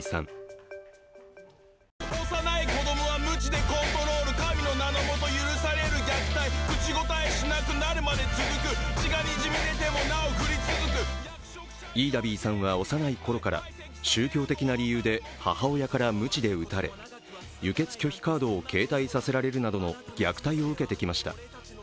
ｉｉｄａｂｉｉさんは幼いころから宗教的な理由で母親からむちで打たれ輸血拒否カードを携帯させられるなどの虐待を受けてきました。